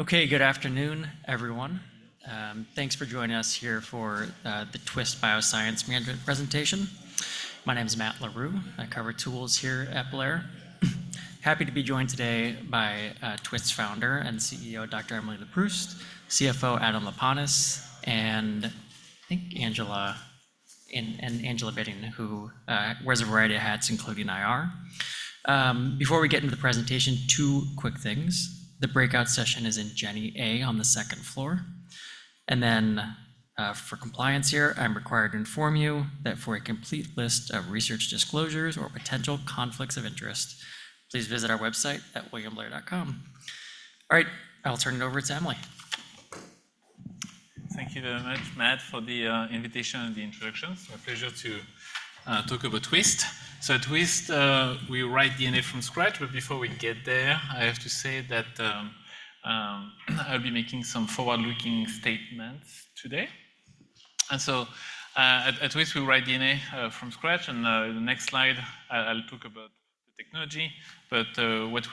Okay, good afternoon, everyone. Thanks for joining us here for the Twist Bioscience management presentation. My name is Matt Larew. I cover tools here at Blair. Happy to be joined today by Twist's founder and CEO,, CFO, Adam Laponis, and I think Angela, and Angela Bitting, who wears a variety of hats, including IR. Before we get into the presentation, two quick things. The breakout session is in Jenney A on the second floor. And then, for compliance here, I'm required to inform you that for a complete list of research disclosures or potential conflicts of interest, please visit our website at williamblair.com. All right, I'll turn it over to Emily. Thank you very much, Matt, for the invitation and the introduction. It's my pleasure to talk about Twist. So at Twist, we write DNA from scratch, but before we get there, I have to say that I'll be making some forward-looking statements today. And so at Twist, we write DNA from scratch, and in the next slide, I'll talk about the technology. But what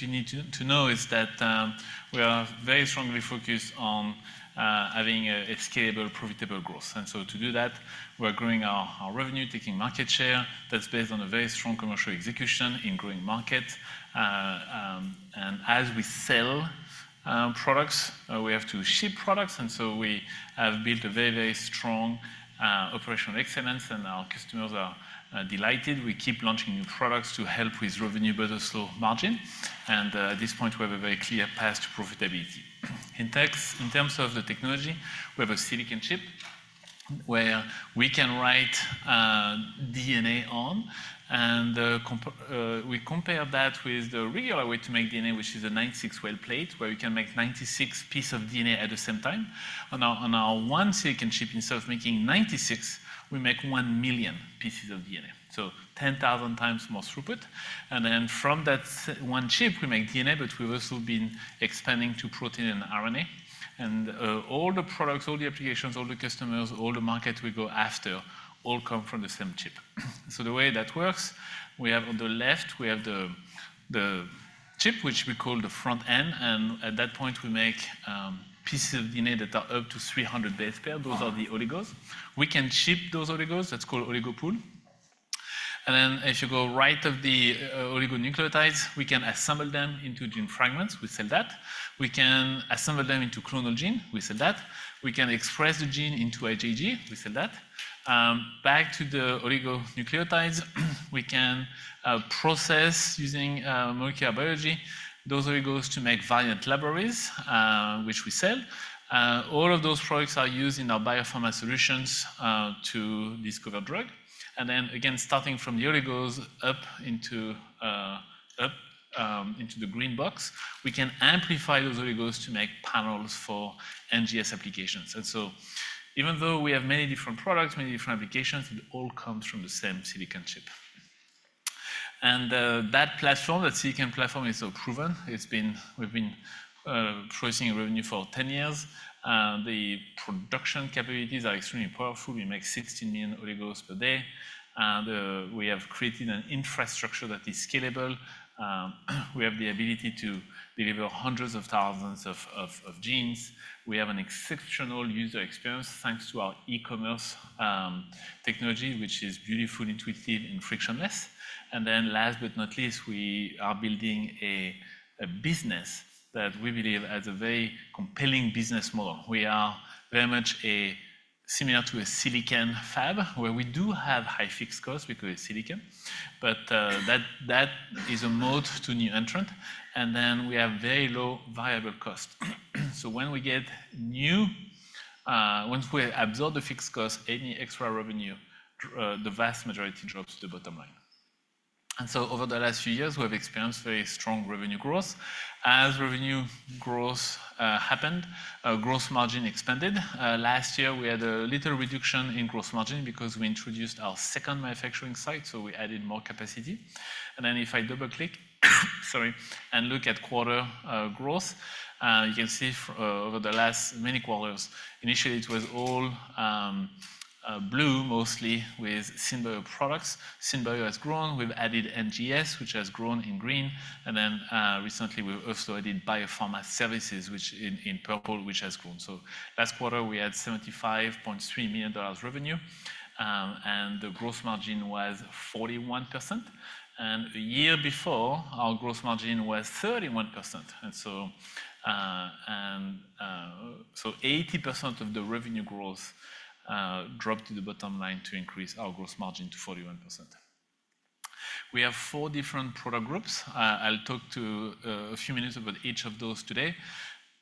you need to know is that we are very strongly focused on having a scalable, profitable growth. And so to do that, we're growing our revenue, taking market share. That's based on a very strong commercial execution in growing market. As we sell products, we have to ship products, and so we have built a very, very strong operational excellence, and our customers are delighted. We keep launching new products to help with revenue but also margin. At this point, we have a very clear path to profitability. In terms of the technology, we have a silicon chip where we can write DNA on, and we compare that with the regular way to make DNA, which is a 96-well plate, where you can make 96 pieces of DNA at the same time. On our one silicon chip, instead of making 96, we make one million pieces of DNA, so 10,000 times more throughput. And then from that one chip, we make DNA, but we've also been expanding to protein and RNA. All the products, all the applications, all the customers, all the market we go after, all come from the same chip. So the way that works, we have on the left, the chip, which we call the front end, and at that point, we make pieces of DNA that are up to 300 base pair. Those are the oligos. We can ship those oligos, that's called oligo pool. And then as you go right of the oligonucleotides, we can assemble them into gene fragments. We sell that. We can assemble them into clonal gene. We sell that. We can express the gene into a IgG. We sell that. Back to the oligonucleotides, we can process using molecular biology those oligos to make variant libraries, which we sell. All of those products are used in our Biopharma Solutions to discover drug. Then again, starting from the oligos up into the green box, we can amplify those oligos to make panels for NGS applications. So even though we have many different products, many different applications, it all comes from the same silicon chip. That platform, that silicon platform, is so proven. It's been. We've been processing revenue for 10 years. The production capabilities are extremely powerful. We make 60 million oligos per day, and we have created an infrastructure that is scalable. We have the ability to deliver hundreds of thousands of genes. We have an exceptional user experience, thanks to our e-commerce technology, which is beautifully intuitive and frictionless. And then last but not least, we are building a business that we believe has a very compelling business model. We are very much similar to a silicon fab, where we do have high fixed costs because silicon, but that is a moat to new entrant, and then we have very low variable costs. So when we get new—Once we absorb the fixed cost, any extra revenue, the vast majority drops to the bottom line. And so over the last few years, we have experienced very strong revenue growth. As revenue growth happened, growth margin expanded. Last year, we had a little reduction in growth margin because we introduced our second manufacturing site, so we added more capacity. Then if I double-click, sorry, and look at quarter growth, you can see over the last many quarters, initially, it was all blue, mostly with SynBio products. SynBio has grown. We've added NGS, which has grown in green. Then, recently, we've also added Biopharma Services, which in purple, which has grown. So last quarter, we had $75.3 million revenue, and the growth margin was 41%. And the year before, our growth margin was 31%. And so, so 80% of the revenue growth dropped to the bottom line to increase our growth margin to 41%. We have four different product groups. I'll talk to a few minutes about each of those today.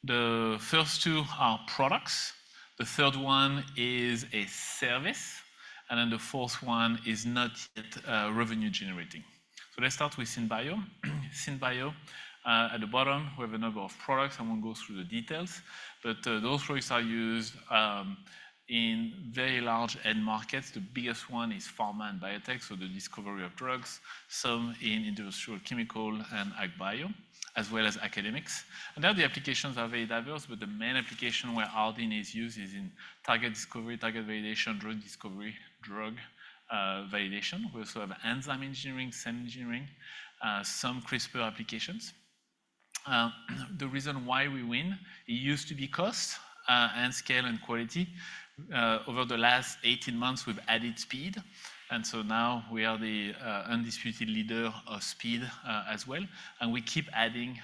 The first two are products, the third one is a service, and then the fourth one is not yet revenue generating. So let's start with SynBio. SynBio at the bottom, we have a number of products. I won't go through the details, but those products are used in very large end markets. The biggest one is pharma and biotech, so the discovery of drugs, some in industrial, chemical, and AgBio, as well as academics. And now the applications are very diverse, but the main application where our DNA is used is in target discovery, target validation, drug discovery, drug validation. We also have enzyme engineering, cell engineering some CRISPR applications. The reason why we win, it used to be cost and scale and quality. Over the last 18 months, we've added speed, and so now we are the undisputed leader of speed as well. And we keep adding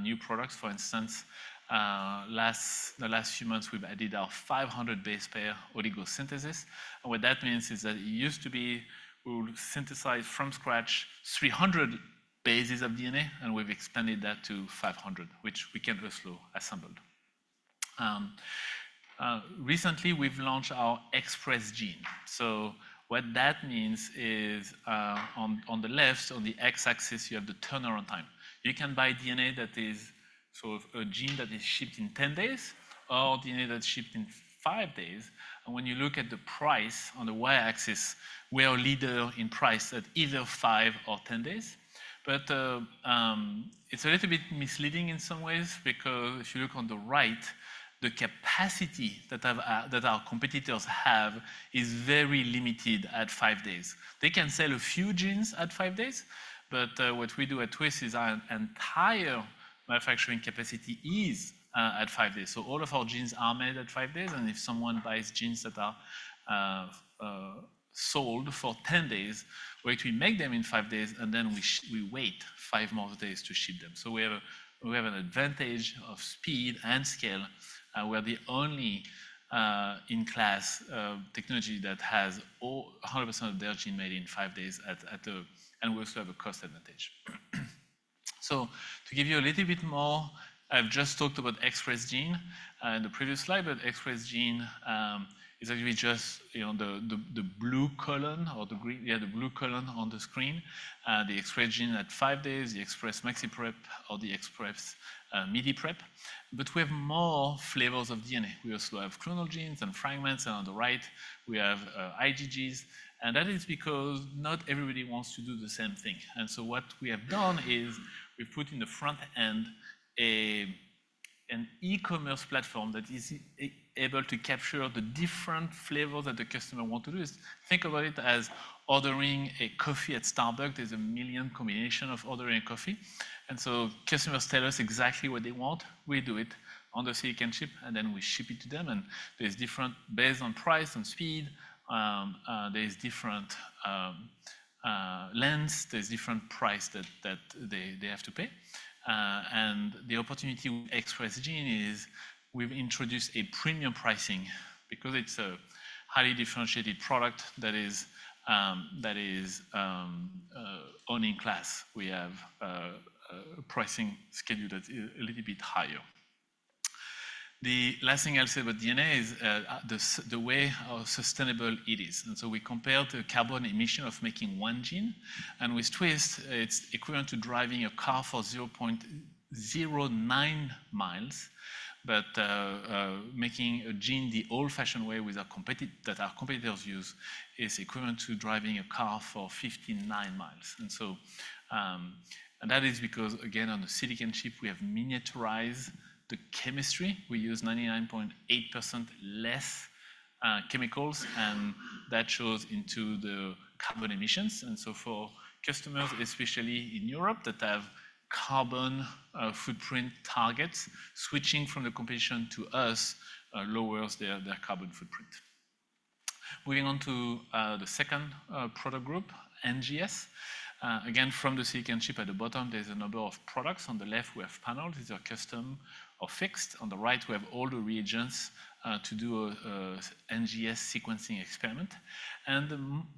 new products. For instance, the last few months, we've added our 500 base pair oligo synthesis. And what that means is that it used to be we would synthesize from scratch 300 bases of DNA, and we've expanded that to 500, which we can also assembled. Recently, we've launched our Express Genes. So what that means is, on the left, so on the x-axis, you have the turnaround time. You can buy DNA that is sort of a gene that is shipped in 10 days or DNA that's shipped in five days. And when you look at the price on the y-axis, we are leader in price at either five or 10 days. But, it's a little bit misleading in some ways, because if you look on the right, the capacity that our competitors have is very limited at five days. They can sell a few genes at five days, but what we do at Twist is our entire manufacturing capacity is at five days. So all of our genes are made at five days, and if someone buys genes that are sold for 10 days, which we make them in five days, and then we wait five more days to ship them. So we have an advantage of speed and scale. We're the only in class technology that has 100% of their gene made in five days at the... And we also have a cost advantage. So to give you a little bit more, I've just talked about Express Gene in the previous slide, but Express Gene is actually just, you know, the blue column or the green - yeah, the blue column on the screen. The Express Gene at five days, the Express MaxiPrep or the Express MidiPrep. But we have more flavors of DNA. We also have clonal genes and fragments, and on the right, we have IgGs. And that is because not everybody wants to do the same thing. And so what we have done is we've put in the front end an e-commerce platform that is able to capture the different flavor that the customer want to do. Think about it as ordering a coffee at Starbucks. There's a million combination of ordering a coffee, and so customers tell us exactly what they want. We do it on the silicon chip, and then we ship it to them. And there's different based on price, on speed, there's different lengths, there's different price that they have to pay. And the opportunity with Express Genes is we've introduced a premium pricing because it's a highly differentiated product that is only in class. We have a pricing schedule that is a little bit higher. The last thing I'll say about DNA is the way how sustainable it is. And so we compare the carbon emission of making one gene, and with Twist, it's equivalent to driving a car for 0.09 miles. But making a gene the old-fashioned way that our competitors use is equivalent to driving a car for 59 miles. That is because, again, on the silicon chip, we have miniaturized the chemistry. We use 99.8% less chemicals, and that shows into the carbon emissions. So for customers, especially in Europe, that have carbon footprint targets, switching from the competition to us lowers their carbon footprint. Moving on to the second product group, NGS. Again, from the silicon chip at the bottom, there's a number of products. On the left, we have panels. These are custom or fixed. On the right, we have all the reagents to do an NGS sequencing experiment. And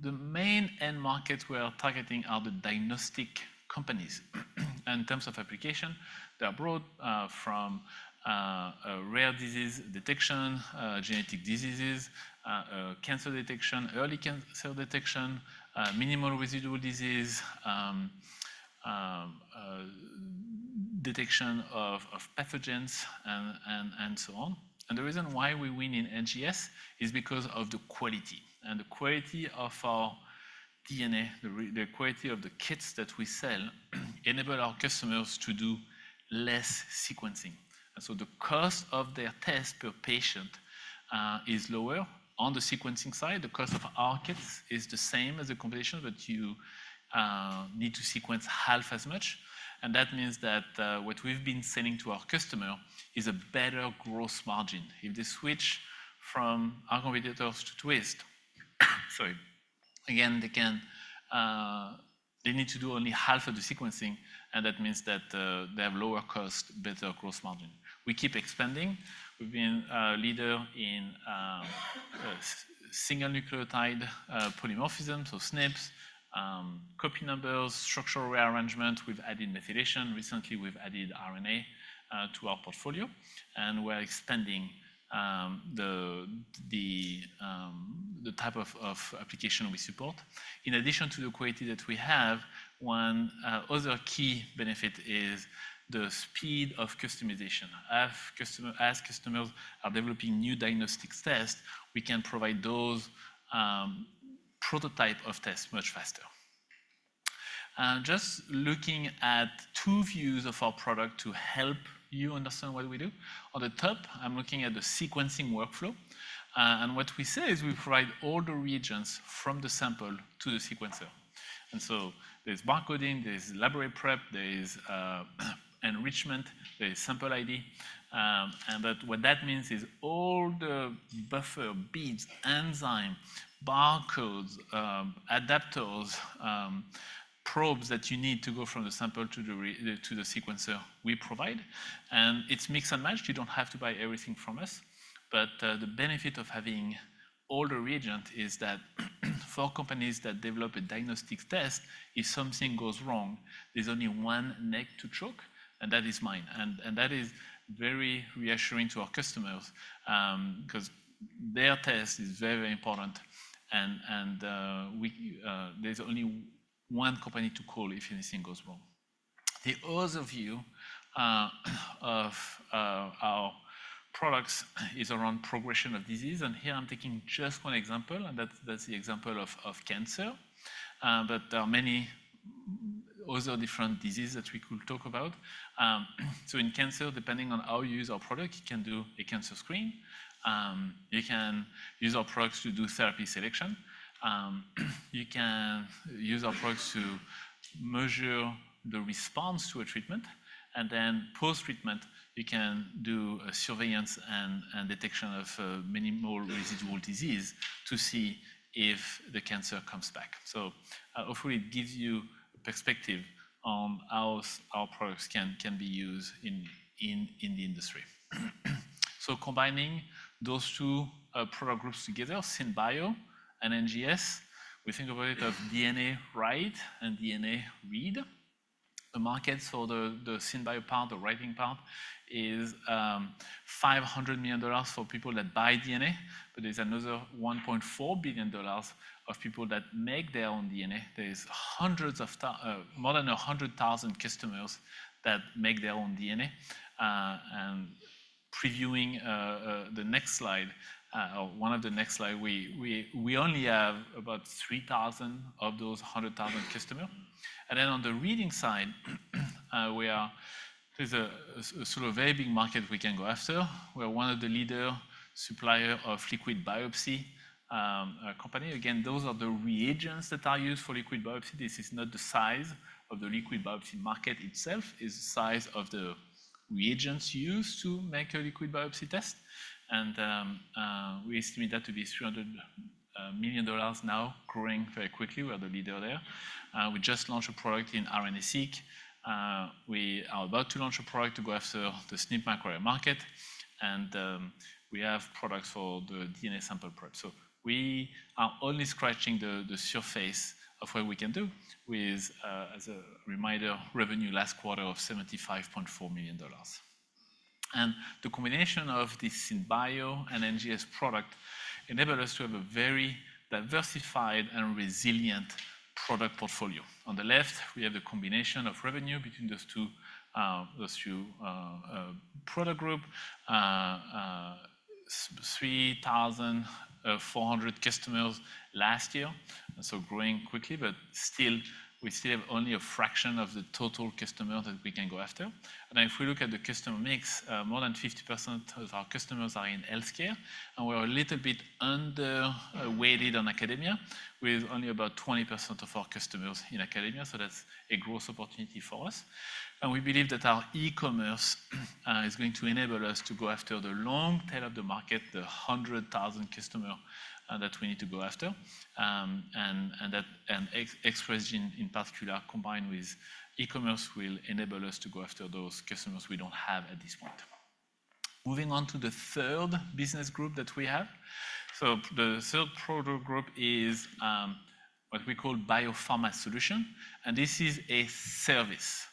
the main end markets we are targeting are the diagnostic companies. In terms of application, they are broad, from rare disease detection, genetic diseases, cancer detection, early cancer detection, minimal residual disease, detection of pathogens, and so on. The reason why we win in NGS is because of the quality. The quality of our DNA, the quality of the kits that we sell, enable our customers to do less sequencing. So the cost of their test per patient is lower. On the sequencing side, the cost of our kits is the same as the competition, but you need to sequence half as much. That means that what we've been selling to our customer is a better gross margin. If they switch from our competitors to Twist, sorry, again, they can... They need to do only half of the sequencing, and that means that they have lower cost, better gross margin. We keep expanding. We've been a leader in single nucleotide polymorphism, so SNPs, copy numbers, structural rearrangement. We've added methylation. Recently, we've added RNA to our portfolio, and we're expanding the type of application we support. In addition to the quality that we have, one other key benefit is the speed of customization. As customers are developing new diagnostics tests, we can provide those prototype of tests much faster. Just looking at two views of our product to help you understand what we do. On the top, I'm looking at the sequencing workflow. What we say is we provide all the reagents from the sample to the sequencer. And so there's barcoding, there's library prep, there is enrichment, there is sample ID. And what that means is all the buffer, beads, enzyme, barcodes, adapters, probes that you need to go from the sample to the sequencer, we provide. And it's mix and match. You don't have to buy everything from us. But the benefit of having all the reagent is that, for companies that develop a diagnostics test, if something goes wrong, there's only one neck to choke, and that is mine. And that is very reassuring to our customers, 'cause their test is very important. And there's only one company to call if anything goes wrong. The other view of our products is around progression of disease, and here I'm taking just one example, and that's the example of cancer. But there are many other different disease that we could talk about. So in cancer, depending on how you use our product, you can do a cancer screen. You can use our products to do therapy selection. You can use our products to measure the response to a treatment, and then post-treatment, you can do a surveillance and detection of minimal residual disease to see if the cancer comes back. So, hopefully, it gives you perspective on how our products can be used in the industry. So combining those two product groups together, SynBio and NGS, we think of it as DNA write and DNA read. The market for the synbio part, the writing part, is $500 million for people that buy DNA, but there's another $1.4 billion of people that make their own DNA. There's more than 100,000 customers that make their own DNA. And previewing the next slide, or one of the next slides, we only have about 3,000 of those 100,000 customer. And then on the reading side, there's a sort of very big market we can go after. We are one of the leader supplier of liquid biopsy company. Again, those are the reagents that are used for liquid biopsy. This is not the size of the liquid biopsy market itself. It's the size of the reagents used to make a liquid biopsy test. We estimate that to be $300 million now, growing very quickly. We are the leader there. We just launched a product in RNA-seq. We are about to launch a product to go after the SNP microarray market, and we have products for the DNA sample prep. So we are only scratching the surface of what we can do with, as a reminder, revenue last quarter of $75.4 million. And the combination of this SynBio and NGS product enable us to have a very diversified and resilient product portfolio. On the left, we have the combination of revenue between those two product group. 3,400 customers last year, so growing quickly, but still, we still have only a fraction of the total customer that we can go after. And if we look at the customer mix, more than 50% of our customers are in healthcare, and we are a little bit underweighted on academia, with only about 20% of our customers in academia. So that's a growth opportunity for us. And we believe that our e-commerce is going to enable us to go after the long tail of the market, the 100,000 customer that we need to go after. And that, Express Genes, in particular, combined with e-commerce, will enable us to go after those customers we don't have at this point. Moving on to the third business group that we have. So the third product group is what we call biopharma Solution, and this is a service.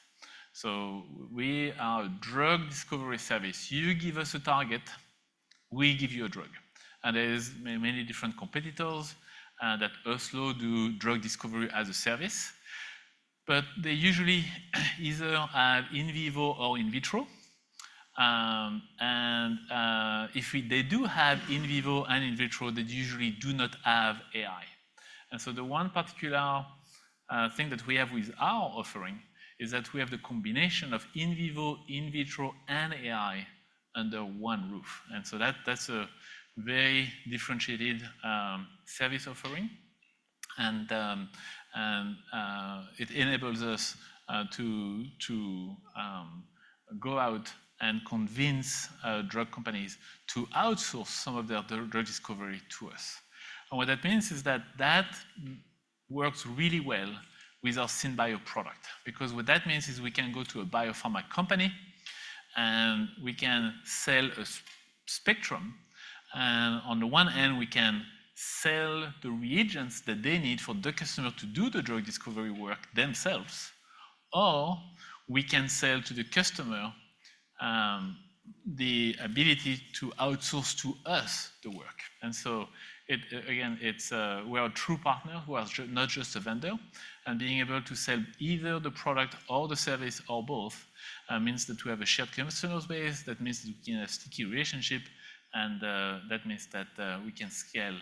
So we are a drug discovery service. You give us a target, we give you a drug. And there's many different competitors that also do drug discovery as a service, but they usually either have in vivo or in vitro. And if they do have in vivo and in vitro, they usually do not have AI. And so the one particular thing that we have with our offering is that we have the combination of in vivo, in vitro, and AI under one roof. And so that, that's a very differentiated service offering. And it enables us to go out and convince drug companies to outsource some of their drug discovery to us. And what that means is that that works really well with our synbio product, because what that means is we can go to a biopharma company, and we can sell a spectrum. And on the one hand, we can sell the reagents that they need for the customer to do the drug discovery work themselves, or we can sell to the customer, the ability to outsource to us the work. And so it, again, it's a true partner who are just not just a vendor, and being able to sell either the product or the service or both, means that we have a shared customer base. That means we can have sticky relationship, and, that means that, we can scale,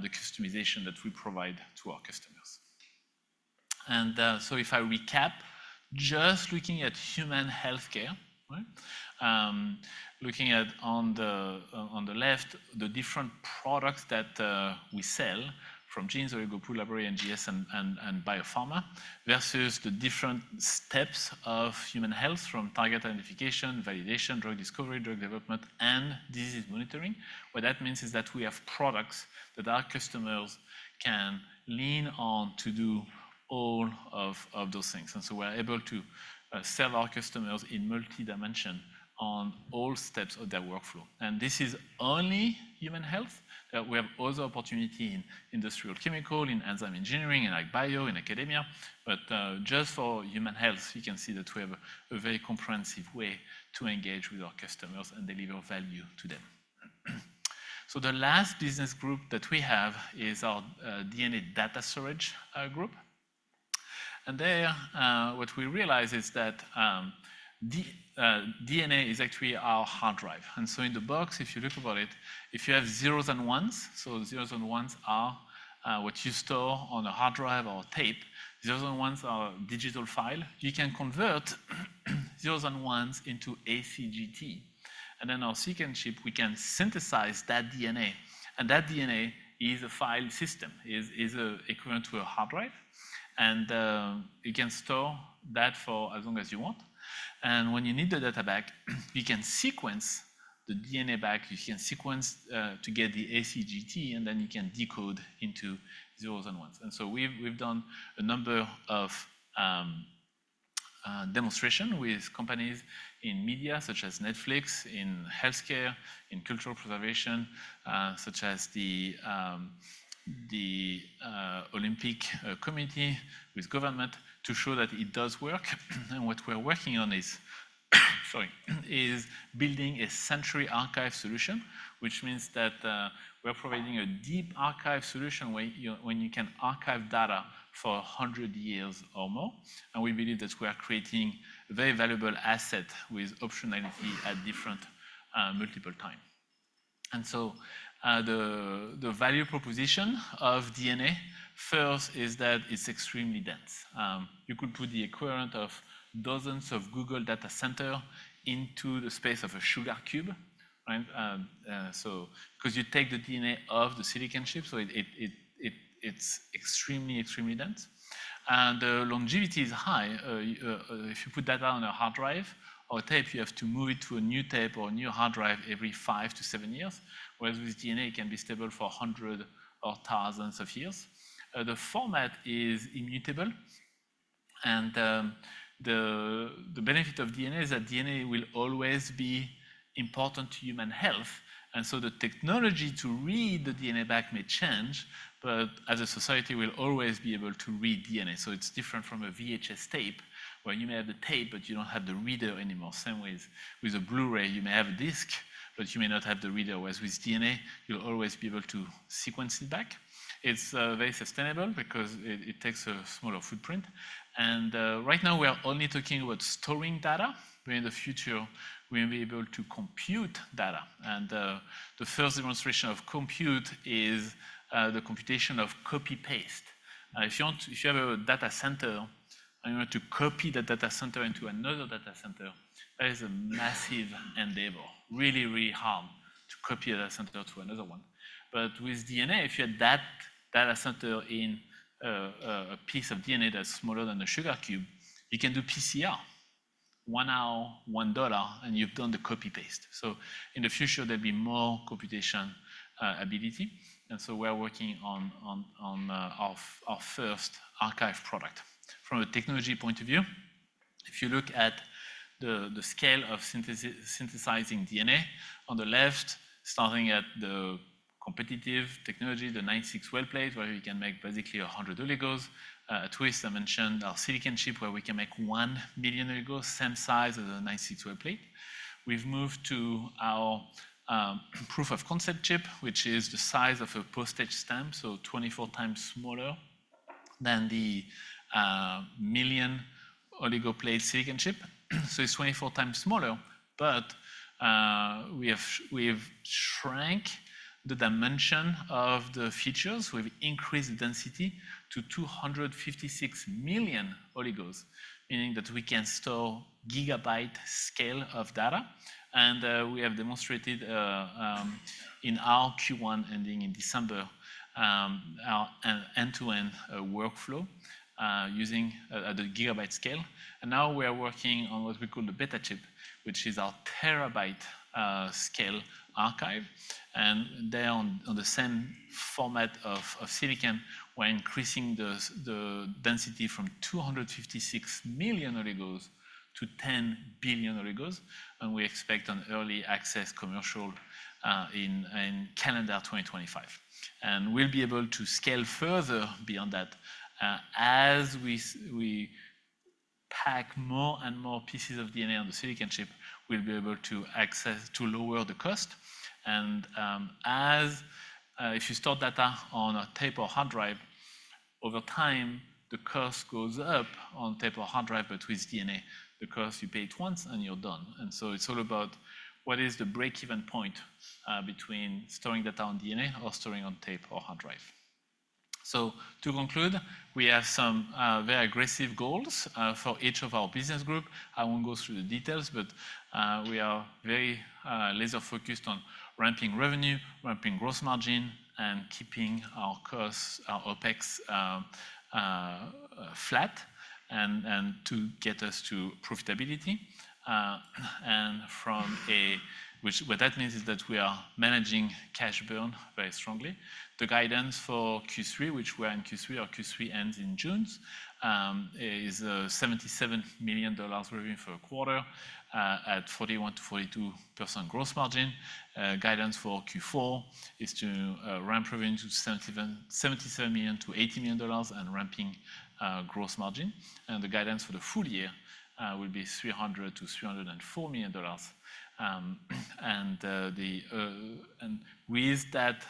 the customization that we provide to our customers. And, so if I recap, just looking at human healthcare, right? Looking at on the left, the different products that we sell from genes, Oligo Pool Library, NGS, and biopharma, versus the different steps of human health from target identification, validation, drug discovery, drug development, and disease monitoring. What that means is that we have products that our customers can lean on to do all of those things. And so we're able to serve our customers in multi-dimension on all steps of their workflow. And this is only human health. We have other opportunity in industrial chemical, in enzyme engineering, in ag bio, in academia. But just for human health, you can see that we have a very comprehensive way to engage with our customers and deliver value to them. So the last business group that we have is our DNA Data Storage group. What we realize is that DNA is actually our hard drive. So in the box, if you look about it, if you have zeros and ones, so zeros and ones are what you store on a hard drive or tape. Zeros and ones are a digital file. You can convert zeros and ones into ACGT, and then our sequence chip, we can synthesize that DNA. And that DNA is a file system, equivalent to a hard drive. You can store that for as long as you want, and when you need the data back, you can sequence the DNA back. You can sequence to get the ACGT, and then you can decode into zeros and ones. We've done a number of demonstrations with companies in media, such as Netflix, in healthcare, in cultural preservation, such as the Olympic Committee, with government, to show that it does work. And what we're working on is building a Century Archive solution, which means that we're providing a deep archive solution where you can archive data for 100 years or more. And we believe that we are creating a very valuable asset with optionality at different multiple times. And so, the value proposition of DNA, first, is that it's extremely dense. You could put the equivalent of dozens of Google data centers into the space of a sugar cube, right? 'Cause you take the DNA off the silicon chip, so it's extremely, extremely dense, and the longevity is high. If you put data on a hard drive or tape, you have to move it to a new tape or a new hard drive every five-seven years, whereas with DNA, it can be stable for 100 or thousands of years. The format is immutable, and the benefit of DNA is that DNA will always be important to human health. So the technology to read the DNA back may change, but as a society, we'll always be able to read DNA. It's different from a VHS tape, where you may have the tape, but you don't have the reader anymore. Same way as with a Blu-ray, you may have a disc, but you may not have the reader, whereas with DNA, you'll always be able to sequence it back. It's very sustainable because it takes a smaller footprint. And right now, we are only talking about storing data, but in the future, we will be able to compute data. And the first demonstration of compute is the computation of copy-paste. If you have a data center, and you want to copy the data center into another data center, that is a massive endeavor. Really, really hard to copy a data center to another one. But with DNA, if you had that data center in a piece of DNA that's smaller than a sugar cube, you can do PCR. one hour, $1, and you've done the copy-paste. So in the future, there'll be more computation ability. And so we're working on our first archive product. From a technology point of view, if you look at the scale of synthesizing DNA, on the left, starting at the competitive technology, the 96-well plate, where you can make basically 100 oligos. Twist, I mentioned our silicon chip, where we can make one million oligos, same size as a 96-well plate. We've moved to our proof of concept chip, which is the size of a postage stamp, so 24 times smaller than the million oligo plate silicon chip. So it's 24 times smaller, but we've shrank the dimension of the features. We've increased the density to 256 million oligos, meaning that we can store gigabyte scale of data. We have demonstrated in our Q1 ending in December our end-to-end workflow using the gigabyte scale. Now we are working on what we call the Beta chip, which is our terabyte-scale archive. There, on the same format of silicon, we're increasing the density from 256 million oligos to 10 billion oligos, and we expect an early access commercial in calendar 2025. We'll be able to scale further beyond that. As we pack more and more pieces of DNA on the silicon chip, we'll be able to to lower the cost. As if you store data on a tape or hard drive, over time, the cost goes up on tape or hard drive, but with DNA, the cost you pay it once, and you're done. So it's all about what is the break-even point between storing data on DNA or storing on tape or hard drive? So to conclude, we have some very aggressive goals for each of our business group. I won't go through the details, but we are very laser-focused on ramping revenue, ramping gross margin, and keeping our costs, our OpEx, flat and to get us to profitability. And from a—which what that means is that we are managing cash burn very strongly. The guidance for Q3, which we're in Q3, our Q3 ends in June, is $77 million revenue for a quarter at 41%-42% gross margin. Guidance for Q4 is to ramp revenue to $77 million-$80 million and ramping gross margin. And the guidance for the full year will be $300 million-$304 million. And with that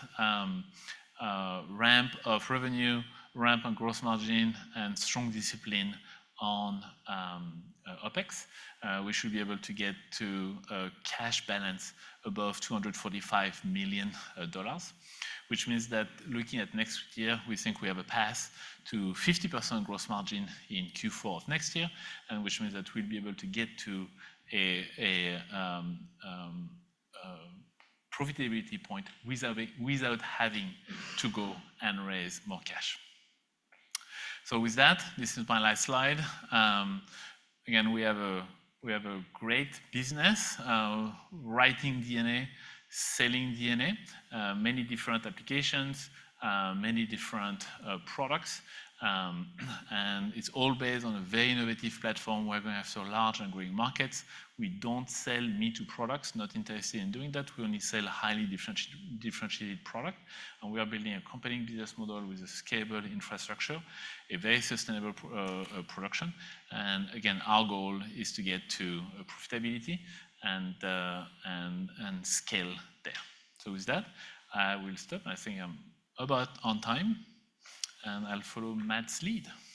ramp of revenue, ramp on gross margin, and strong discipline on OpEx, we should be able to get to a cash balance above $245 million dollars. Which means that looking at next year, we think we have a path to 50% gross margin in Q4 of next year, and which means that we'll be able to get to a profitability point without having to go and raise more cash. So with that, this is my last slide. Again, we have a great business, writing DNA, selling DNA, many different applications, many different products. And it's all based on a very innovative platform where we have so large and growing markets. We don't sell me-too products, not interested in doing that. We only sell highly differentiated product, and we are building a compelling business model with a scalable infrastructure, a very sustainable production. And again, our goal is to get to profitability and scale there. With that, I will stop. I think I'm about on time, and I'll follow Matt's lead.